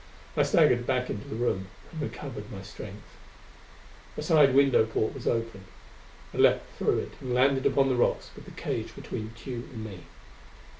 I staggered back into the room and recovered my strength. A side window porte was open; I leaped through it and landed upon the rocks, with the cage between Tugh and me.